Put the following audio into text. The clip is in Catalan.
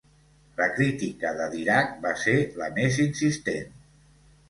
La crítica de Dirac va ser la més insistent.